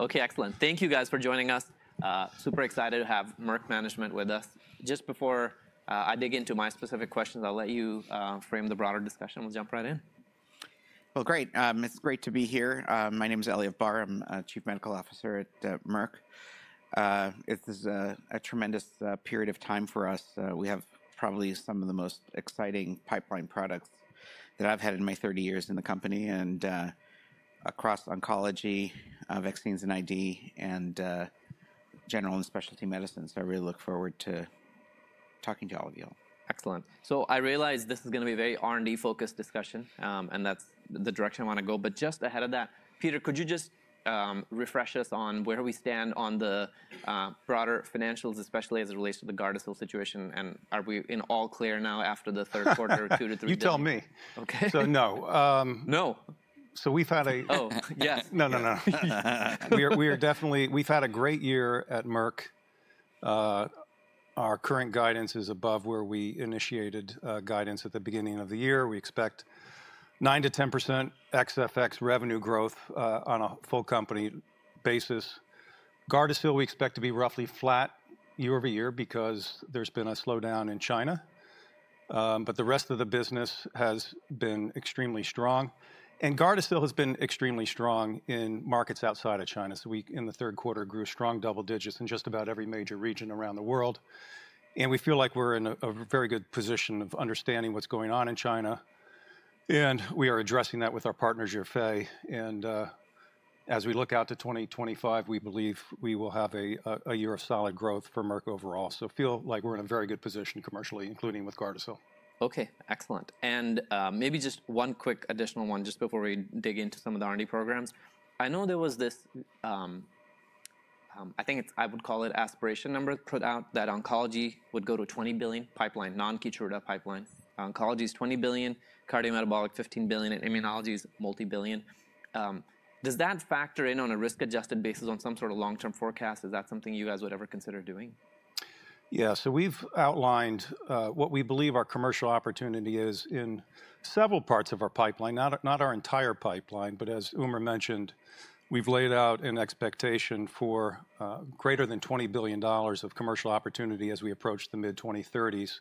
Okay, excellent. Thank you, guys, for joining us. Super excited to have Merck Management with us. Just before I dig into my specific questions, I'll let you frame the broader discussion. We'll jump right in. Great. It's great to be here. My name is Eliav Barr. I'm a Chief Medical Officer at Merck. This is a tremendous period of time for us. We have probably some of the most exciting pipeline products that I've had in my 30 years in the company and across oncology, vaccines and ID, and general and specialty medicines. I really look forward to talking to all of you. Excellent. So I realize this is going to be a very R&D-focused discussion, and that's the direction I want to go. But just ahead of that, Peter, could you just refresh us on where we stand on the broader financials, especially as it relates to the Gardasil situation? And are we in all clear now after the third quarter, two to three quarters? You tell me. Okay. So no. No. So we've had a Oh, yes. No, no, no. We are definitely, we've had a great year at Merck. Our current guidance is above where we initiated guidance at the beginning of the year. We expect 9%-10% XFX revenue growth on a full company basis. Gardasil we expect to be roughly flat year-over-year because there's been a slowdown in China, but the rest of the business has been extremely strong, and Gardasil has been extremely strong in markets outside of China So in the third quarter, it grew strong double digits in just about every major region around the world, and we feel like we're in a very good position of understanding what's going on in China, and we are addressing that with our partners, Zhifei, and as we look out to 2025, we believe we will have a year of solid growth for Merck overall. So I feel like we're in a very good position commercially, including with Gardasil. Okay, excellent. And maybe just one quick additional one just before we dig into some of the R&D programs. I know there was this, I think I would call it aspiration number, put out that oncology would go to $20 billion, pipeline, non-key pipeline. Oncology is $20 billion, cardiometabolic $15 billion, and immunology is multi-billion. Does that factor in on a risk-adjusted basis on some sort of long-term forecast? Is that something you guys would ever consider doing? Yeah, so we've outlined what we believe our commercial opportunity is in several parts of our pipeline, not our entire pipeline. But as Umar mentioned, we've laid out an expectation for greater than $20 billion of commercial opportunity as we approach the mid-2030s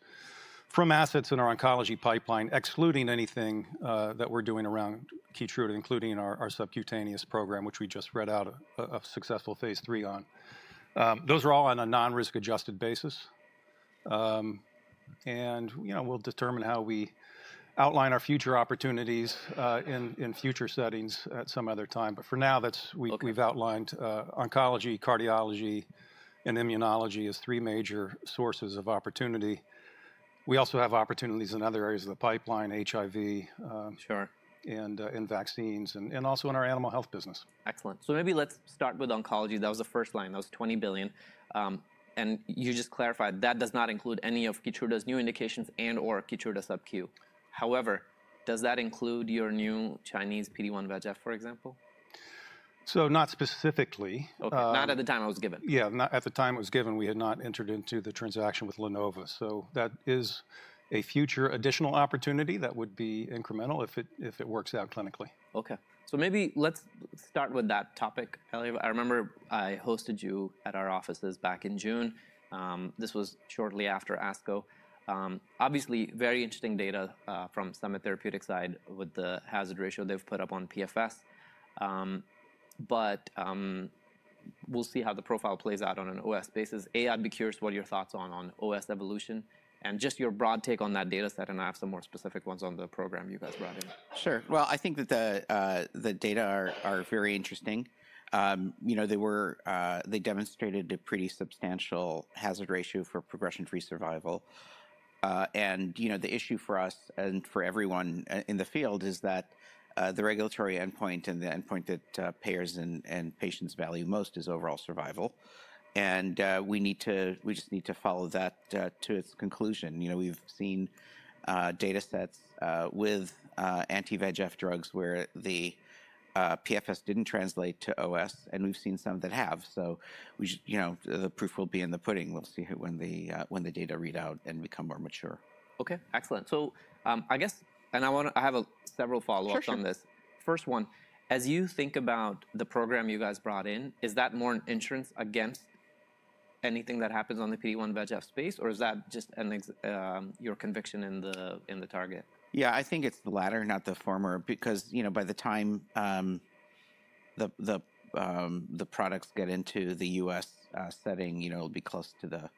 from assets in our oncology pipeline, excluding anything that we're doing around Keytruda, including our subcutaneous program, which we just read out a successful phase three on. Those are all on a non-risk-adjusted basis. And we'll determine how we outline our future opportunities in future settings at some other time. But for now, we've outlined oncology, cardiology, and immunology as three major sources of opportunity. We also have opportunities in other areas of the pipeline, HIV. Sure. In vaccines, and also in our animal health business. Excellent. So maybe let's start with oncology. That was the first line. That was $20 billion. And you just clarified that does not include any of Keytruda's new indications and/or Keytruda Sub-Q. However, does that include your new Chinese PD-1 VEGF, for example? So not specifically. Okay, not at the time it was given. Yeah, not at the time it was given. We had not entered into the transaction with LaNova. So that is a future additional opportunity that would be incremental if it works out clinically. Okay, so maybe let's start with that topic, Eliav. I remember I hosted you at our offices back in June. This was shortly after ASCO. Obviously, very interesting data from some of the therapeutic side with the hazard ratio they've put up on PFS. But we'll see how the profile plays out on an OS basis. Eliav, I'd be curious what your thoughts are on OS evolution and just your broad take on that data set, and I have some more specific ones on the program you guys brought in. Sure. I think that the data are very interesting. They demonstrated a pretty substantial hazard ratio for progression-free survival. The issue for us and for everyone in the field is that the regulatory endpoint and the endpoint that payers and patients value most is overall survival. We just need to follow that to its conclusion. We've seen data sets with anti-VEGF drugs where the PFS didn't translate to OS, and we've seen some that have. The proof will be in the pudding. We'll see when the data read out and become more mature. Okay, excellent. So I guess, and I have several follow-ups on this. Sure, sure. First one, as you think about the program you guys brought in, is that more insurance against anything that happens on the PD-1 VEGF space, or is that just your conviction in the target? Yeah, I think it's the latter, not the former, because by the time the products get into the US setting, it'll be close to the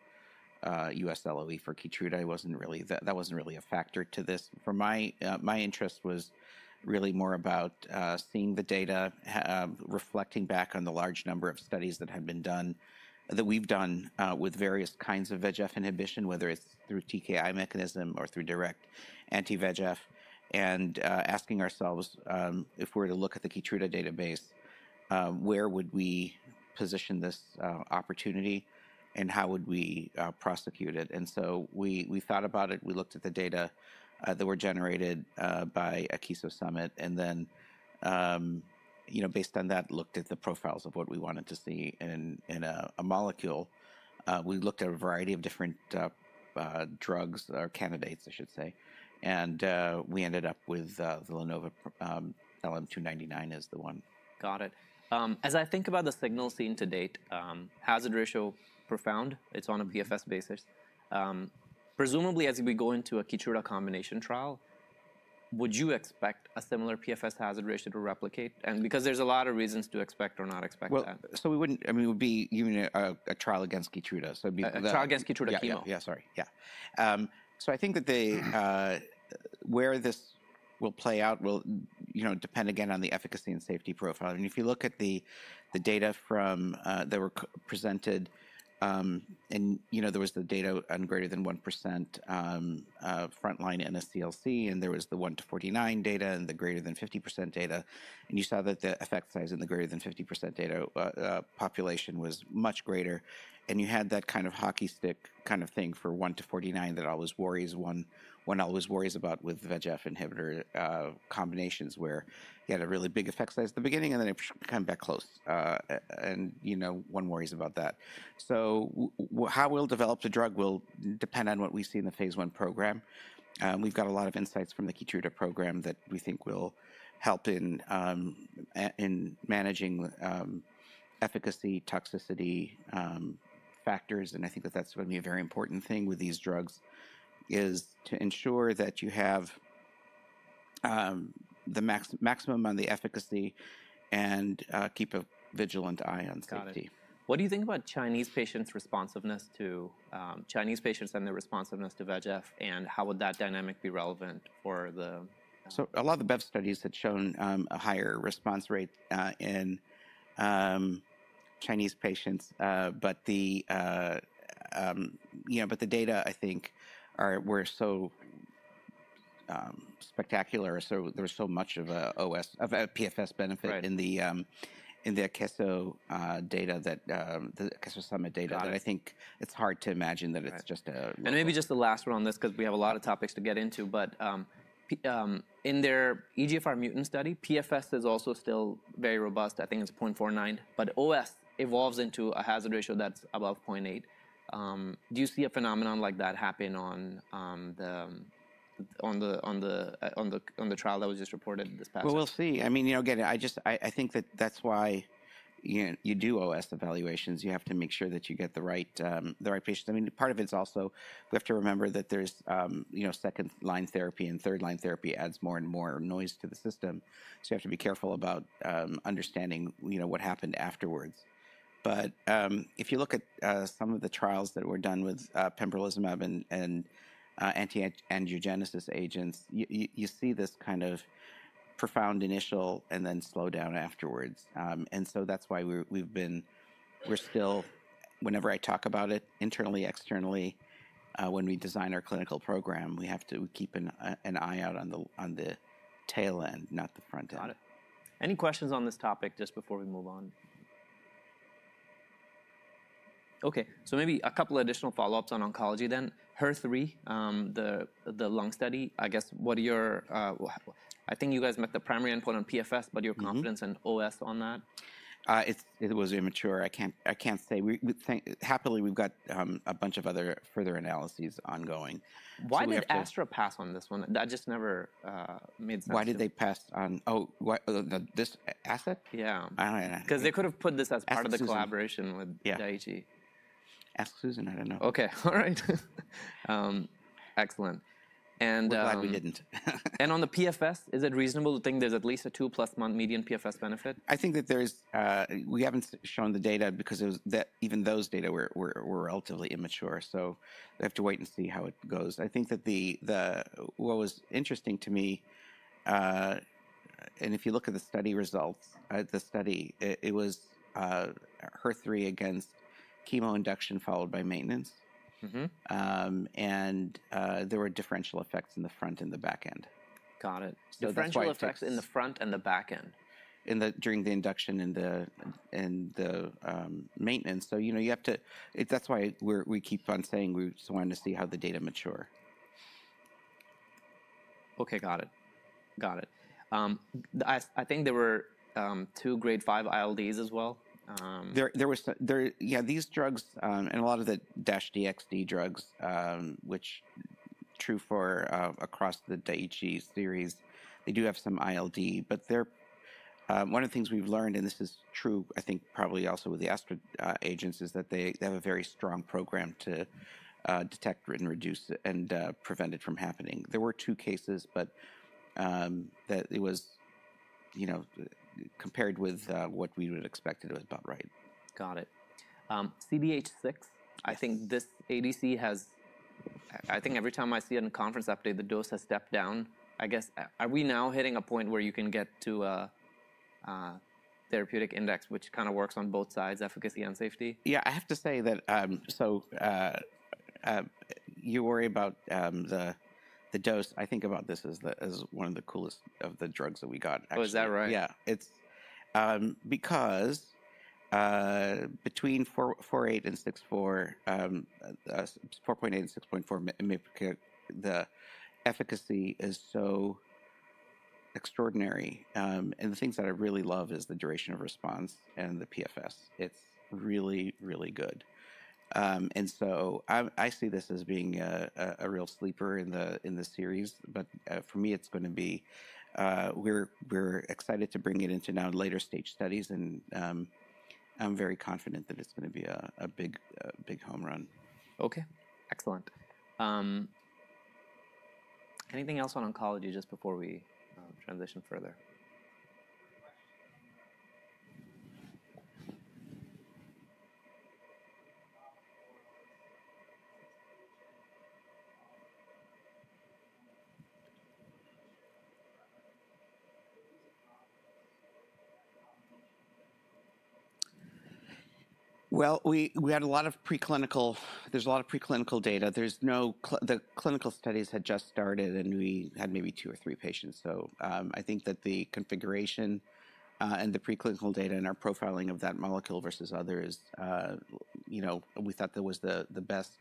US LOE for Keytruda. That wasn't really a factor to this. My interest was really more about seeing the data, reflecting back on the large number of studies that have been done, that we've done with various kinds of VEGF inhibition, whether it's through TKI mechanism or through direct anti-VEGF, and asking ourselves, if we were to look at the Keytruda database, where would we position this opportunity and how would we prosecute it? And so we thought about it. We looked at the data that were generated by Akeso Summit. And then based on that, looked at the profiles of what we wanted to see in a molecule. We looked at a variety of different drugs or candidates, I should say. We ended up with the LaNova LM-299 as the one. Got it. As I think about the signal seen to date, hazard ratio profound. It's on a PFS basis. Presumably, as we go into a Keytruda combination trial, would you expect a similar PFS hazard ratio to replicate? And because there's a lot of reasons to expect or not expect that. Well, so we wouldn't, I mean, we'd be giving a trial against Keytruda. A trial against Keytruda chemo? Yeah, yeah, sorry. Yeah, so I think that where this will play out will depend again on the efficacy and safety profile, and if you look at the data that were presented, there was the data on greater than 1% frontline NSCLC, and there was the 1-49% data and the greater than 50% data, and you saw that the effect size in the greater than 50% data population was much greater. You had that kind of hockey stick kind of thing for 1-49% that always worries one about with VEGF inhibitor combinations where you had a really big effect size at the beginning, and then it came back close, and one worries about that. How we'll develop the drug will depend on what we see in the phase one program. We've got a lot of insights from the Keytruda program that we think will help in managing efficacy, toxicity factors, and I think that that's going to be a very important thing with these drugs, is to ensure that you have the maximum on the efficacy and keep a vigilant eye on safety. Got it. What do you think about Chinese patients and their responsiveness to VEGF, and how would that dynamic be relevant for the? So a lot of the BEV studies had shown a higher response rate in Chinese patients. But the data, I think, were so spectacular. There was so much of a PFS benefit in the Akeso data that the Akeso Summit data. I think it's hard to imagine that it's just a. And maybe just the last one on this because we have a lot of topics to get into. But in their EGFR mutant study, PFS is also still very robust. I think it's 0.49. But OS evolves into a hazard ratio that's above 0.8. Do you see a phenomenon like that happen on the trial that was just reported this past week? We'll see. I mean, again, I think that that's why you do OS evaluations. You have to make sure that you get the right patients. I mean, part of it's also we have to remember that there's second-line therapy and third-line therapy adds more and more noise to the system. So you have to be careful about understanding what happened afterwards. But if you look at some of the trials that were done with pembrolizumab and anti-angiogenesis agents, you see this kind of profound initial and then slowdown afterwards. And so that's why we've been still, whenever I talk about it internally, externally, when we design our clinical program, we have to keep an eye out on the tail end, not the front end. Got it. Any questions on this topic just before we move on? Okay, so maybe a couple of additional follow-ups on oncology then. HER3, the lung study, I guess. What are your, I think you guys met the primary endpoint on PFS, but your confidence in OS on that? It was immature. I can't say. Happily, we've got a bunch of other further analyses ongoing. Why did Astra pass on this one? That just never made sense. Why did they pass on, oh, this asset? Yeah. I don't know. Because they could have put this as part of the collaboration with Daiichi. Ask Susan. I don't know. Okay, all right. Excellent. I'm glad we didn't. On the PFS, is it reasonable to think there's at least a two-plus-month median PFS benefit? I think that there, we haven't shown the data because even those data were relatively immature. So we have to wait and see how it goes. I think that what was interesting to me, and if you look at the study results, the study, it was HER3 against chemo induction followed by maintenance, and there were differential effects in the front and the back end. Got it. Differential effects in the front and the back end. During the induction and the maintenance, so you have to. That's why we keep on saying we just want to see how the data mature. Okay, got it. Got it. I think there were two grade five ILDs as well. Yeah, these drugs and a lot of the DS-DXd drugs, which is true across the Daiichi series, they do have some ILD. But one of the things we've learned, and this is true, I think, probably also with the Astra agents, is that they have a very strong program to detect and reduce and prevent it from happening. There were two cases, but compared with what we would have expected, it was about right. Got it. CDH6, I think this ADC has, I think every time I see it in a conference update, the dose has stepped down. I guess, are we now hitting a point where you can get to a therapeutic index, which kind of works on both sides, efficacy and safety? Yeah, I have to say that. So you worry about the dose. I think about this as one of the coolest of the drugs that we got. Oh, is that right? Yeah. Because between 4.8 and 6.4, 4.8 and 6.4, the efficacy is so extraordinary. And the things that I really love is the duration of response and the PFS. It's really, really good. And so I see this as being a real sleeper in the series. But for me, it's going to be we're excited to bring it into now later stage studies. And I'm very confident that it's going to be a big home run. Okay, excellent. Anything else on oncology just before we transition further? We had a lot of preclinical data. The clinical studies had just started, and we had maybe two or three patients. So I think that the configuration and the preclinical data and our profiling of that molecule versus others, we thought that was the best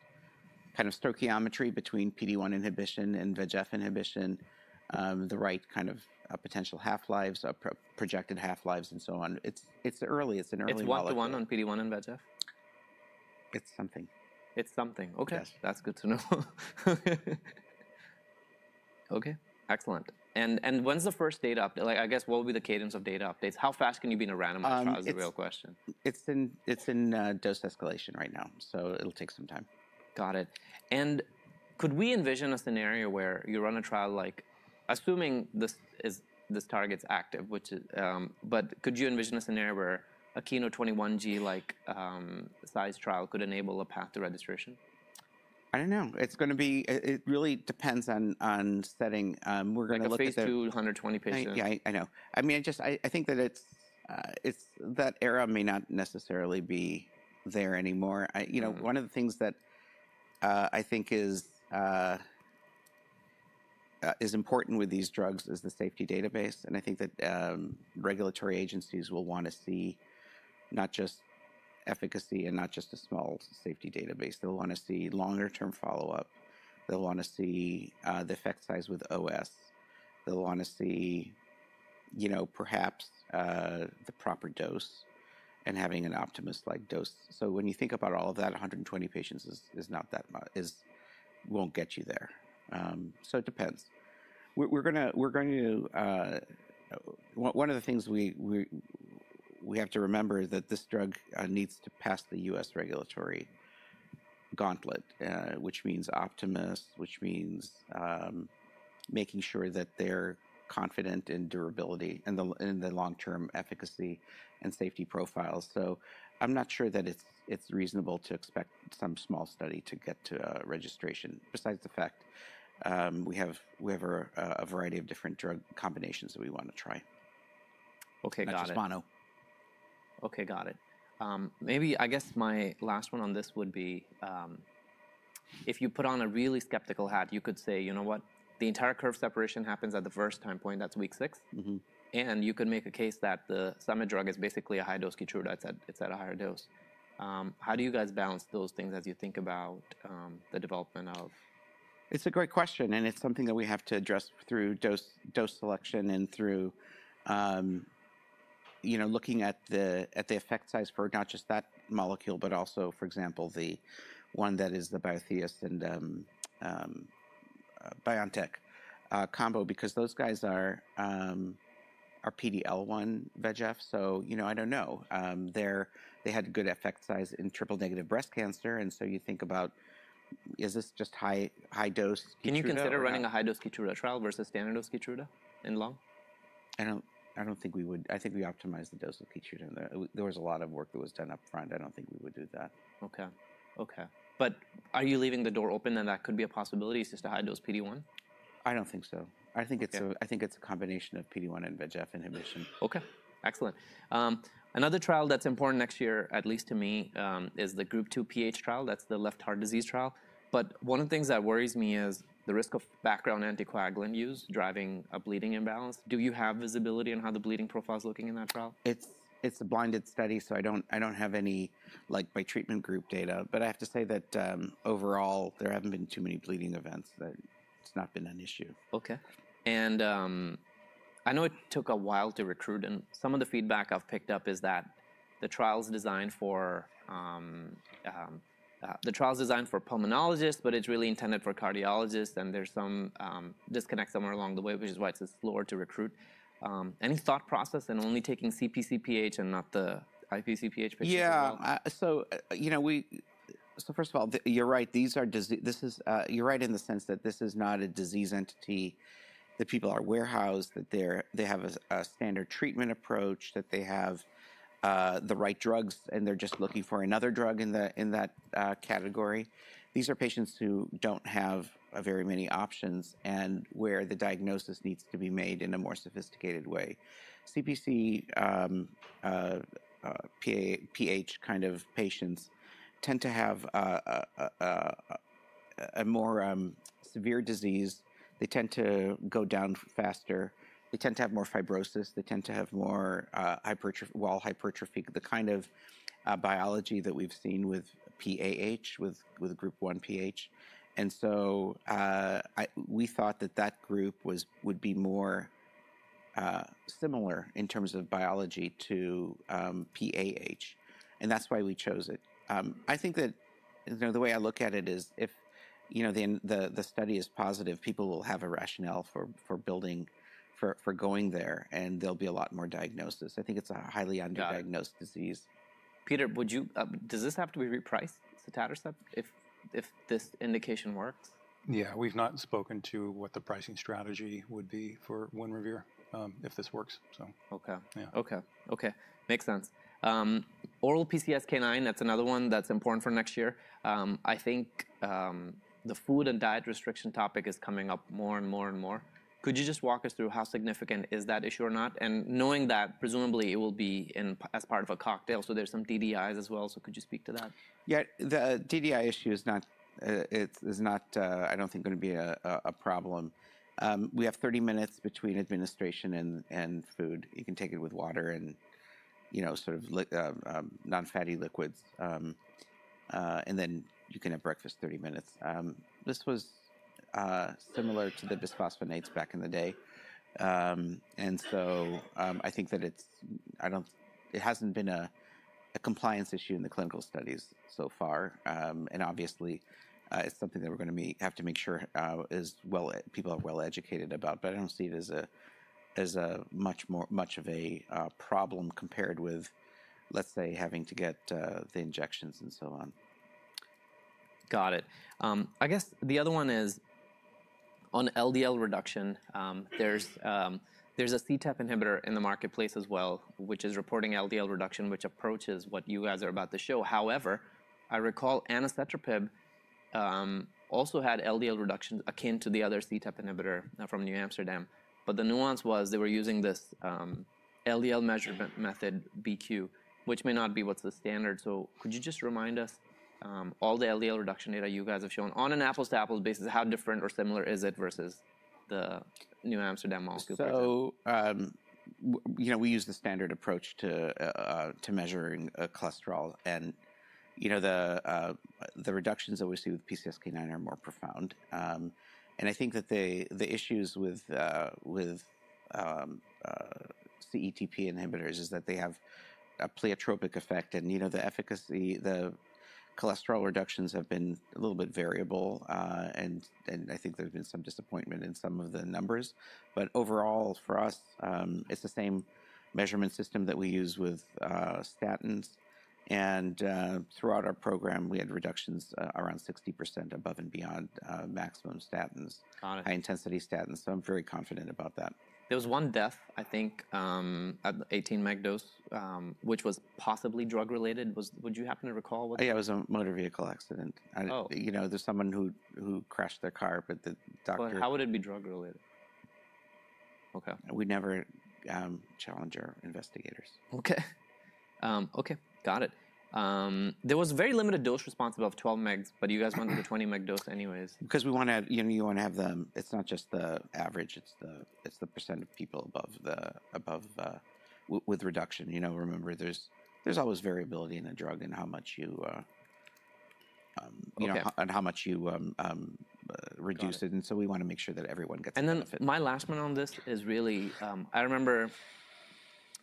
kind of stoichiometry between PD-1 inhibition and VEGF inhibition, the right kind of potential half-lives, projected half-lives, and so on. It's early. It's an early. It's 1 to 1 on PD-1 and VEGF? It's something. It's something. Okay. Yes. That's good to know. Okay, excellent. And when's the first data update? I guess, what will be the cadence of data updates? How fast can you be in a randomized trial is the real question. It's in dose escalation right now. So it'll take some time. Got it, and could we envision a scenario where you run a trial like, assuming this target's active, but could you envision a scenario where a KEYNOTE-021G-like size trial could enable a path to registration? I don't know. It's going to be it really depends on setting. We're going to look at. Like a phase two 120 patients. Yeah, I know. I mean, I think that that era may not necessarily be there anymore. One of the things that I think is important with these drugs is the safety database. And I think that regulatory agencies will want to see not just efficacy and not just a small safety database. They'll want to see longer-term follow-up. They'll want to see the effect size with OS. They'll want to see perhaps the proper dose and having an optimized-like dose. So when you think about all of that, 120 patients won't get you there. So it depends. One of the things we have to remember is that this drug needs to pass the U.S. regulatory gauntlet, which means optimized, which means making sure that they're confident in durability and the long-term efficacy and safety profiles. So I'm not sure that it's reasonable to expect some small study to get to registration, besides the fact we have a variety of different drug combinations that we want to try. Okay, got it. Not just mono. Okay, got it. Maybe, I guess my last one on this would be, if you put on a really skeptical hat, you could say, you know what, the entire curve separation happens at the first time point, that's week six, and you could make a case that the summit drug is basically a high-dose Keytruda. It's at a higher dose. How do you guys balance those things as you think about the development of? It's a great question, and it's something that we have to address through dose selection and through looking at the effect size for not just that molecule, but also, for example, the one that is the Biotheus and BioNTech combo, because those guys are PD-L1 VEGF, so I don't know. They had good effect size in triple-negative breast cancer, and so you think about, is this just high-dose Keytruda? Can you consider running a high-dose Keytruda trial versus standard dose Keytruda in lung? I don't think we would. I think we optimize the dose of Keytruda. There was a lot of work that was done upfront. I don't think we would do that. Okay. Okay. But are you leaving the door open that that could be a possibility, just a high-dose PD-1? I don't think so. I think it's a combination of PD-1 and VEGF inhibition. Okay. Excellent. Another trial that's important next year, at least to me, is the Group 2 PH trial. That's the left heart disease trial. But one of the things that worries me is the risk of background anticoagulant use driving a bleeding imbalance. Do you have visibility on how the bleeding profile is looking in that trial? It's a blinded study, so I don't have any treatment group data. But I have to say that overall, there haven't been too many bleeding events. It's not been an issue. Okay. And I know it took a while to recruit. And some of the feedback I've picked up is that the trial is designed for pulmonologists, but it's really intended for cardiologists. And there's some disconnect somewhere along the way, which is why it's slower to recruit. Any thought process in only taking CpcPH and not the IpcPH patients? Yeah. So first of all, you're right. You're right in the sense that this is not a disease entity that people are warehoused, that they have a standard treatment approach, that they have the right drugs, and they're just looking for another drug in that category. These are patients who don't have very many options and where the diagnosis needs to be made in a more sophisticated way. CpcPH kind of patients tend to have a more severe disease. They tend to go down faster. They tend to have more fibrosis. They tend to have more wall hypertrophy, the kind of biology that we've seen with PAH, with group one PH. And so we thought that that group would be more similar in terms of biology to PAH. And that's why we chose it. I think that the way I look at it is if the study is positive, people will have a rationale for going there, and there'll be a lot more diagnosis. I think it's a highly underdiagnosed disease. Peter, does this have to be repriced? Is it out of step if this indication works? Yeah. We've not spoken to what the pricing strategy would be for Winrevair if this works, so. Okay. Okay. Okay. Makes sense. Oral PCSK9, that's another one that's important for next year. I think the food and diet restriction topic is coming up more and more and more. Could you just walk us through how significant is that issue or not? And knowing that, presumably, it will be as part of a cocktail, so there's some DDIs as well, so could you speak to that? Yeah. The DDI issue is not, I don't think, going to be a problem. We have 30 minutes between administration and food. You can take it with water and sort of non-fatty liquids, and then you can have breakfast 30 minutes. This was similar to the bisphosphonates back in the day, and so I think that it hasn't been a compliance issue in the clinical studies so far, and obviously, it's something that we're going to have to make sure people are well educated about, but I don't see it as much of a problem compared with, let's say, having to get the injections and so on. Got it. I guess the other one is on LDL reduction. There's a CETP inhibitor in the marketplace as well, which is reporting LDL reduction, which approaches what you guys are about to show. However, I recall Anacetrapib also had LDL reduction akin to the other CETP inhibitor from NewAmsterdam. But the nuance was they were using this LDL measurement method, BQ, which may not be what's the standard. So could you just remind us all the LDL reduction data you guys have shown on an apples-to-apples basis, how different or similar is it versus the NewAmsterdam molecule? So we use the standard approach to measuring cholesterol. And the reductions that we see with PCSK9 are more profound. And I think that the issues with CETP inhibitors is that they have a pleiotropic effect. And the efficacy, the cholesterol reductions have been a little bit variable. And I think there's been some disappointment in some of the numbers. But overall, for us, it's the same measurement system that we use with statins. And throughout our program, we had reductions around 60% above and beyond maximum statins, high-intensity statins. So I'm very confident about that. There was one death, I think, at the 18-mg dose, which was possibly drug-related. Would you happen to recall? Yeah, it was a motor vehicle accident. There's someone who crashed their car, but the doctor. But how would it be drug-related? Okay. We never challenge our investigators. Okay. Got it. There was very limited dose response above 12 mg, but you guys went to the 20-mg dose anyways. Because you want to have the. It's not just the average. It's the percent of people with reduction. Remember, there's always variability in a drug and how much you reduce it, and so we want to make sure that everyone gets benefit. And then my last one on this is really, I remember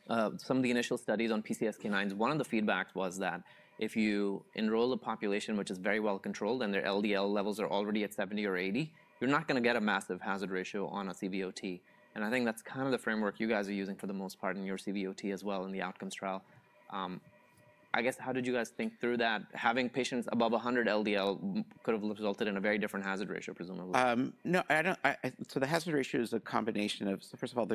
some of the initial studies on PCSK9s. One of the feedbacks was that if you enroll a population, which is very well controlled, and their LDL levels are already at 70 or 80, you're not going to get a massive hazard ratio on a CVOT. And I think that's kind of the framework you guys are using for the most part in your CVOT as well in the outcomes trial. I guess, how did you guys think through that? Having patients above 100 LDL could have resulted in a very different hazard ratio, presumably. No. So the hazard ratio is a combination of, so first of all,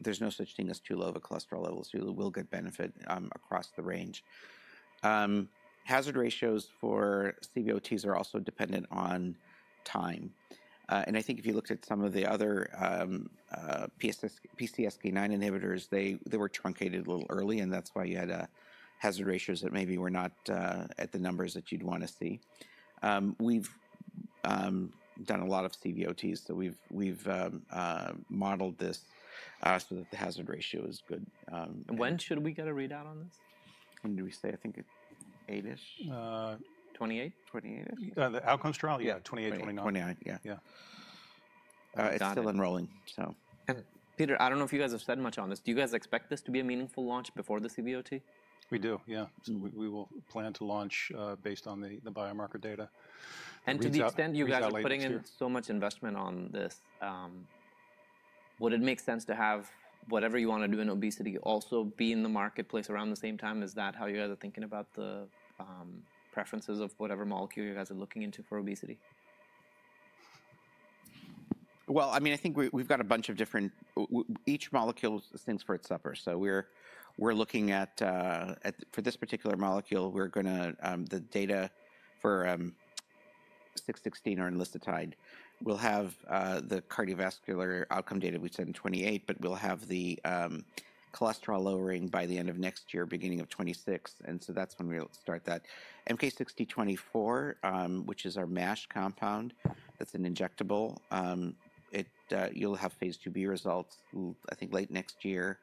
there's no such thing as too low of a cholesterol level. So you will get benefit across the range. Hazard ratios for CVOTs are also dependent on time. And I think if you looked at some of the other PCSK9 inhibitors, they were truncated a little early. And that's why you had hazard ratios that maybe were not at the numbers that you'd want to see. We've done a lot of CVOTs. So we've modeled this so that the hazard ratio is good. When should we get a readout on this? When did we say? I think it's '8-ish. '28? '28-ish. The outcomes trial? Yeah, 2028, 2029. '28, yeah. Got it. It's still enrolling, so. Peter, I don't know if you guys have said much on this. Do you guys expect this to be a meaningful launch before the CVOT? We do, yeah. We will plan to launch based on the biomarker data. To the extent you guys are putting in so much investment on this, would it make sense to have whatever you want to do in obesity also be in the marketplace around the same time? Is that how you guys are thinking about the preferences of whatever molecule you guys are looking into for obesity? Well, I mean, I think we've got a bunch of different each molecule sings for its supper. So we're looking at, for this particular molecule, we're going to the data for MK-0616. We'll have the cardiovascular outcome data we said in 2028, but we'll have the cholesterol lowering by the end of next year, beginning of 2026. And so that's when we'll start that. MK-6024, which is our MASH compound, that's an injectable, you'll have phase 2b results, I think, late next year.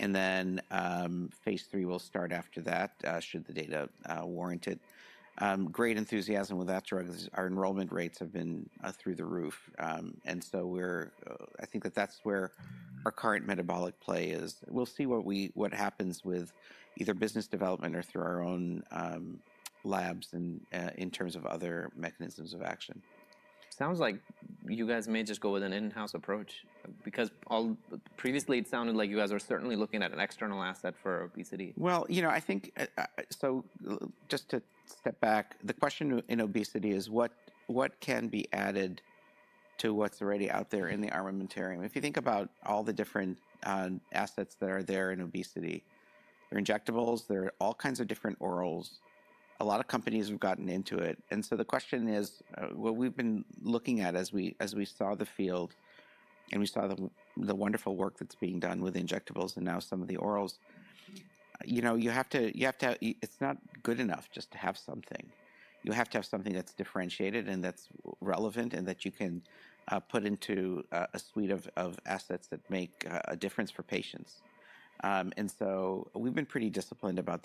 And then phase 3 will start after that, should the data warrant it. Great enthusiasm with that drug. Our enrollment rates have been through the roof. And so I think that that's where our current metabolic play is. We'll see what happens with either business development or through our own labs in terms of other mechanisms of action. Sounds like you guys may just go with an in-house approach. Because previously, it sounded like you guys were certainly looking at an external asset for obesity. You know, I think so. Just to step back, the question in obesity is what can be added to what's already out there in the armamentarium. If you think about all the different assets that are there in obesity, there are injectables. There are all kinds of different orals. A lot of companies have gotten into it. And so the question is, what we've been looking at as we saw the field and we saw the wonderful work that's being done with injectables and now some of the orals. You have to it's not good enough just to have something. You have to have something that's differentiated and that's relevant and that you can put into a suite of assets that make a difference for patients. And so we've been pretty disciplined about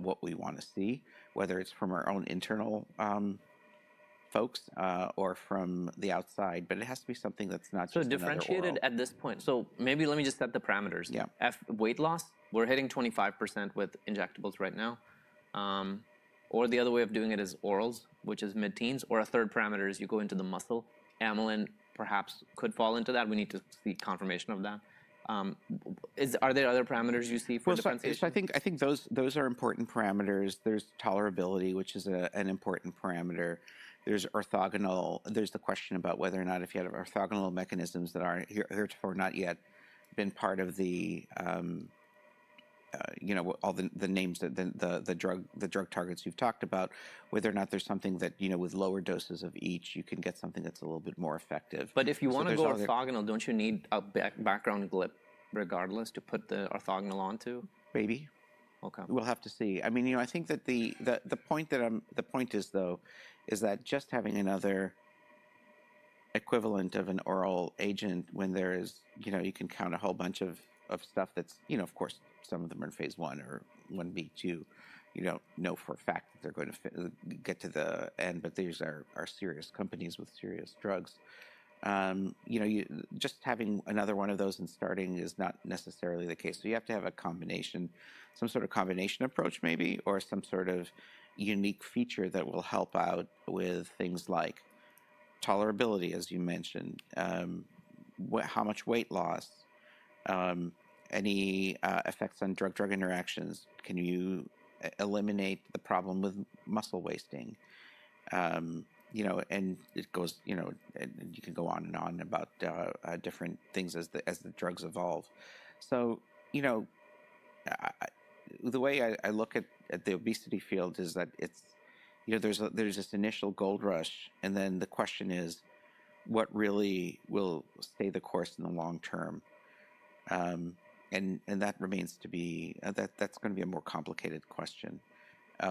what we want to see, whether it's from our own internal folks or from the outside. It has to be something that's not just differentiated. So differentiated at this point. So maybe let me just set the parameters. Weight loss, we're hitting 25% with injectables right now. Or the other way of doing it is orals, which is mid-teens. Or a third parameter is you go into the muscle. Amylin perhaps could fall into that. We need to see confirmation of that. Are there other parameters you see for the front page? I think those are important parameters. There's tolerability, which is an important parameter. There's orthogonal. There's the question about whether or not if you had orthogonal mechanisms that are here or not yet been part of the all the names, the drug targets you've talked about, whether or not there's something that with lower doses of each, you can get something that's a little bit more effective. But if you want to go orthogonal, don't you need a background GLP regardless to put the orthogonal onto? Maybe. We'll have to see. I mean, I think that the point is, though, is that just having another equivalent of an oral agent when there, you can count a whole bunch of stuff that's, of course, some of them are in phase 1 or 1b/2. You don't know for a fact that they're going to get to the end. But these are serious companies with serious drugs. Just having another one of those and starting is not necessarily the case. So you have to have a combination, some sort of combination approach maybe, or some sort of unique feature that will help out with things like tolerability, as you mentioned. How much weight loss? Any effects on drug-drug interactions? Can you eliminate the problem with muscle wasting? And you can go on and on about different things as the drugs evolve. The way I look at the obesity field is that there's this initial gold rush. Then the question is, what really will stay the course in the long term? That remains to be seen. That's going to be a more complicated question.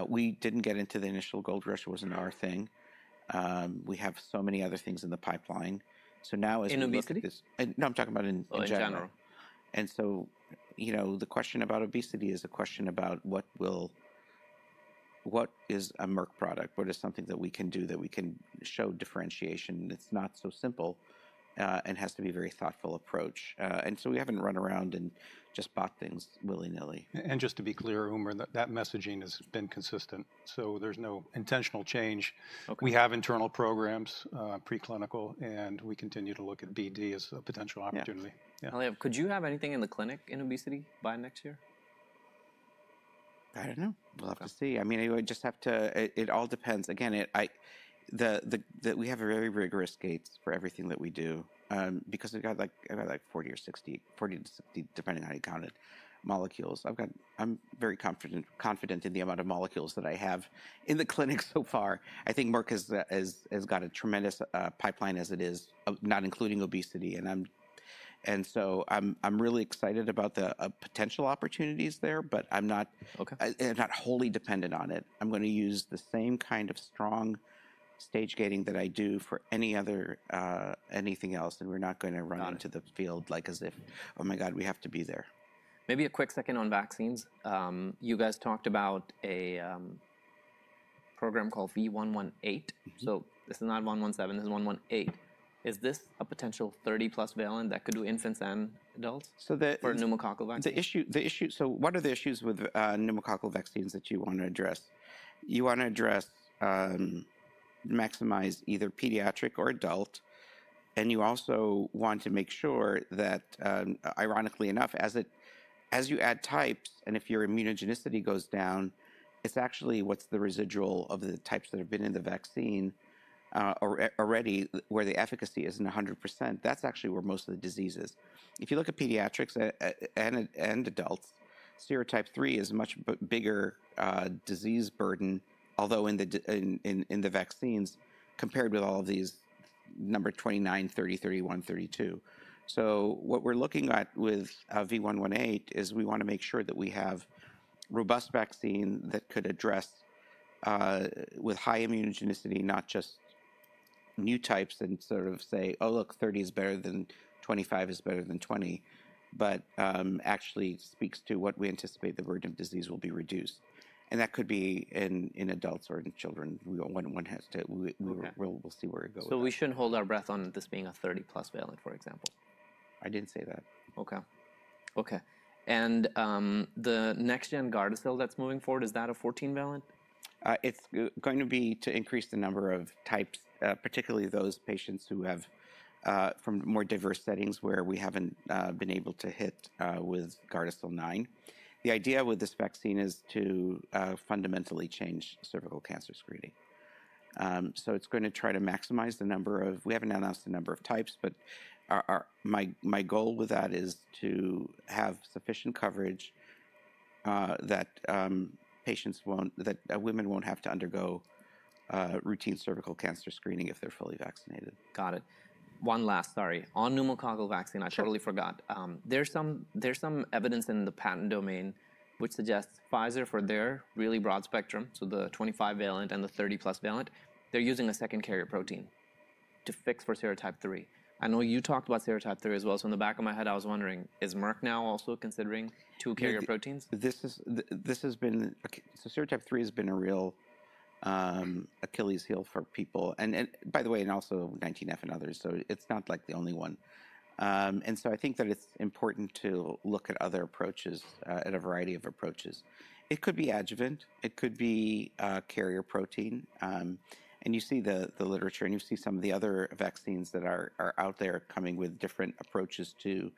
We didn't get into the initial gold rush. It wasn't our thing. We have so many other things in the pipeline. Now as we look at this. In obesity? No, I'm talking about in general. In general. And so the question about obesity is a question about what is a Merck product? What is something that we can do that we can show differentiation? And it's not so simple and has to be a very thoughtful approach. And so we haven't run around and just bought things willy-nilly. And just to be clear, Umar, that messaging has been consistent. So there's no intentional change. We have internal programs, preclinical, and we continue to look at BD as a potential opportunity. Elliott, could you have anything in the clinic in obesity by next year? I don't know. We'll have to see. I mean, we just have to it all depends. Again, we have very rigorous gates for everything that we do. Because I've got like 40 or 60, 40-60, depending on how you count it, molecules. I'm very confident in the amount of molecules that I have in the clinic so far. I think Merck has got a tremendous pipeline as it is, not including obesity. And so I'm really excited about the potential opportunities there, but I'm not wholly dependent on it. I'm going to use the same kind of strong stage gating that I do for anything else. And we're not going to run into the field like as if, oh my God, we have to be there. Maybe a quick second on vaccines. You guys talked about a program called V118. So this is not 117. This is 118. Is this a potential 30-plus valent that could do infants and adults for pneumococcal vaccines? What are the issues with pneumococcal vaccines that you want to address? You want to address maximize either pediatric or adult. And you also want to make sure that, ironically enough, as you add types and if your immunogenicity goes down, it's actually what's the residual of the types that have been in the vaccine already where the efficacy isn't 100%. That's actually where most of the disease is. If you look at pediatrics and adults, Serotype 3 is a much bigger disease burden, although in the vaccines compared with all of these number 29, 30, 31, 32. So, what we're looking at with V118 is we want to make sure that we have robust vaccine that could address with high immunogenicity, not just new types and sort of say, oh, look, 30 is better than 25 is better than 20, but actually speaks to what we anticipate the burden of disease will be reduced, and that could be in adults or in children. We'll see where it goes. So we shouldn't hold our breath on this being a 30-plus valent, for example. I didn't say that. The next-gen Gardasil that's moving forward, is that a 14-valent? It's going to be to increase the number of types, particularly those patients who have from more diverse settings where we haven't been able to hit with Gardasil 9. The idea with this vaccine is to fundamentally change cervical cancer screening. So it's going to try to maximize the number of types. We haven't announced the number of types, but my goal with that is to have sufficient coverage that women won't have to undergo routine cervical cancer screening if they're fully vaccinated. Got it. One last, sorry. On pneumococcal vaccine, I totally forgot. There's some evidence in the patent domain which suggests Pfizer for their really broad spectrum, so the 25-valent and the 30-plus valent, they're using a second carrier protein to fix for serotype 3. I know you talked about serotype 3 as well. So in the back of my head, I was wondering, is Merck now also considering two carrier proteins? This has been so serotype 3 has been a real Achilles heel for people, and by the way, and also 19F and others, so it's not like the only one. I think that it's important to look at other approaches, at a variety of approaches. It could be adjuvant. It could be carrier protein. You see the literature. You see some of the other vaccines that are out there coming with different approaches to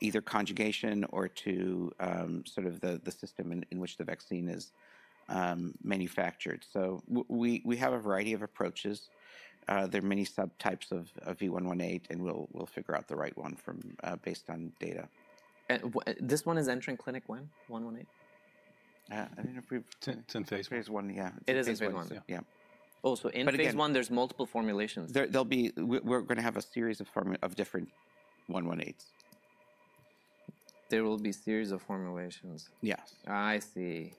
either conjugation or to sort of the system in which the vaccine is manufactured. We have a variety of approaches. There are many subtypes of V118. We'll figure out the right one based on data. This one is entering clinic when? V118? I don't know. 10 phase one. phase one, yeah. It is in phase one. Yeah. Oh, so in phase one, there's multiple formulations. We're going to have a series of different V118s. There will be a series of formulations. Yes. I see.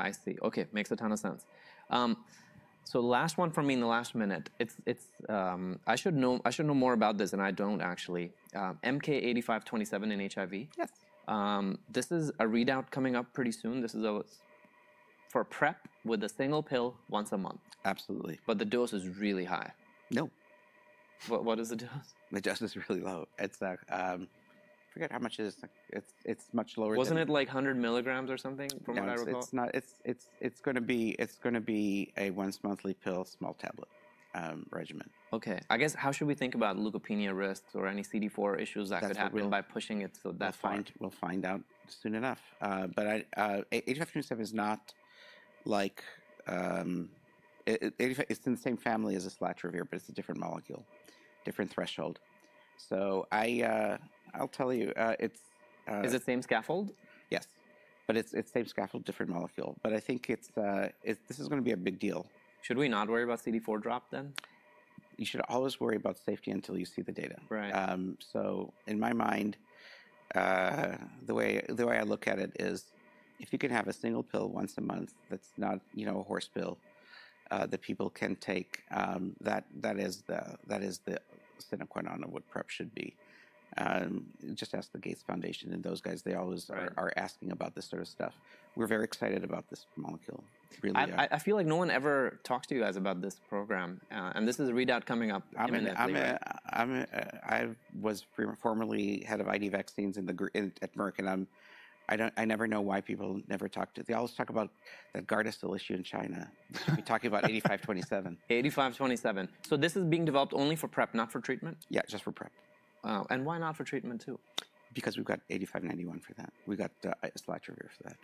I see. Okay. Makes a ton of sense. So last one for me in the last minute. I should know more about this, and I don't actually. MK-8527 in HIV. Yes. This is a readout coming up pretty soon. This is for PrEP with a single pill once a month. Absolutely. But the dose is really high. No. What is the dose? The dose is really low. It's like I forget how much it is. It's much lower than that. Wasn't it like 100 milligrams or something from what I recall? Yes. It's going to be a once-monthly pill, small tablet regimen. Okay. I guess how should we think about leukopenia risks or any CD4 issues that could happen by pushing it? So that's fine. We'll find out soon enough. But 8527 is not like it's in the same family as a islatravir, but it's a different molecule, different threshold. So I'll tell you. Is it same scaffold? Yes. But it's same scaffold, different molecule. But I think this is going to be a big deal. Should we not worry about CD4 drop then? You should always worry about safety until you see the data. Right. So in my mind, the way I look at it is if you can have a single pill once a month that's not a horse pill that people can take, that is the sine qua non of what PrEP should be. Just ask the Gates Foundation. And those guys, they always are asking about this sort of stuff. We're very excited about this molecule. I feel like no one ever talks to you guys about this program, and this is a readout coming up. I was formerly head of ID vaccines at Merck, and I never know why people never talk about it. They always talk about that Gardasil issue in China. We talk about 8527. So this is being developed only for PrEP, not for treatment? Yeah, just for PrEP. Wow. And why not for treatment too? Because we've got 8591 for that. We've got the islatravir for that.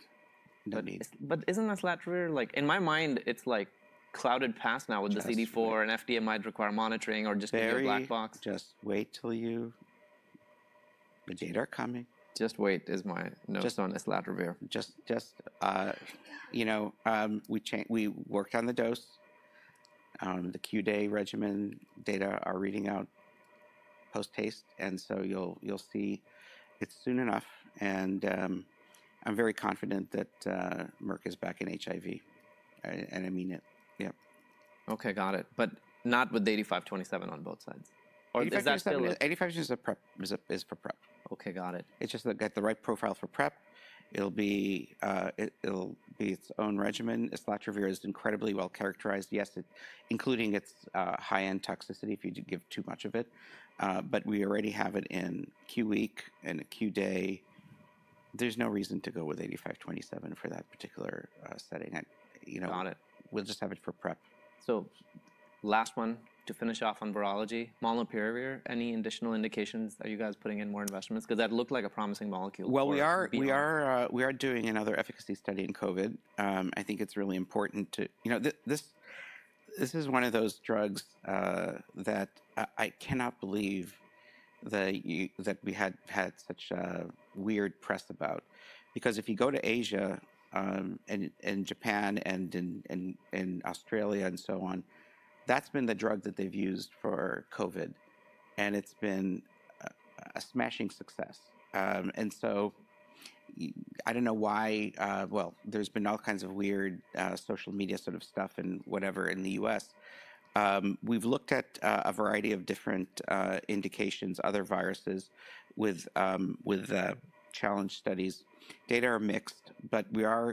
No need. But isn't the Islatravir like, in my mind, it's like a clouded path now with the CD4, and FDA might require monitoring or just be in a black box. Just wait till you see the data are coming. Just wait is my note on the slatravir. Just, you know, we worked on the dose. The Q-day regimen data are reading out post-haste. And so you'll see it's soon enough. And I'm very confident that Merck is back in HIV. And I mean it. Yeah. Okay. Got it. But not with the 8527 on both sides. Is that still? MK-8527 is for PrEP. Okay. Got it. It's just like the right profile for PrEP. It'll be its own regimen. Islatravir is incredibly well characterized. Yes, including its high-end toxicity if you give too much of it. But we already have it in Q-week and Q-day. There's no reason to go with MK-8527 for that particular setting. Got it. We'll just have it for PrEP. So last one to finish off on virology. Molnupiravir, any additional indications that you guys are putting in more investments? Because that looked like a promising molecule. We are doing another efficacy study in COVID. I think it's really important. This is one of those drugs that I cannot believe that we had such weird press about. Because if you go to Asia and Japan and Australia and so on, that's been the drug that they've used for COVID. And it's been a smashing success. And so I don't know why. There's been all kinds of weird social media sort of stuff and whatever in the U.S. We've looked at a variety of different indications, other viruses with challenge studies. Data are mixed. But we are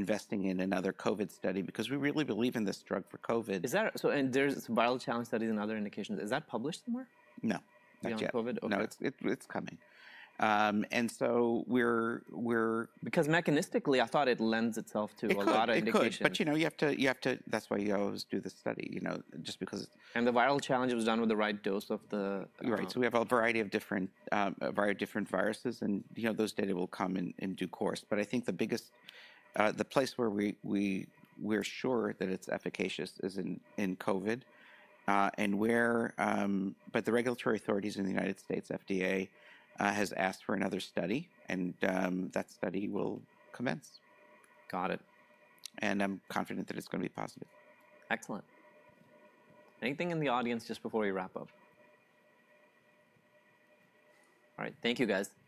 investing in another COVID study because we really believe in this drug for COVID. There's viral challenge studies and other indications. Is that published somewhere? No. Not yet. It's coming, and so we're. Because mechanistically, I thought it lends itself to a lot of indications. But you have to, that's why you always do the study. Just because. The viral challenge was done with the right dose of the. Right. So we have a variety of different viruses. And those data will come in due course. But I think the biggest place where we're sure that it's efficacious is in COVID. And but the regulatory authorities in the United States, FDA, has asked for another study. And that study will commence. Got it. And I'm confident that it's going to be positive. Excellent. Anything in the audience just before we wrap up? All right. Thank you, guys.